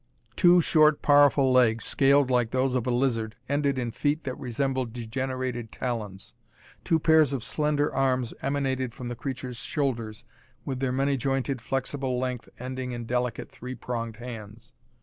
Two short powerful legs, scaled like those of a lizard, ended in feet that resembled degenerated talons. Two pairs of slender arms emanated from the creature's shoulders, with their many jointed flexible length ending in delicate three pronged hands.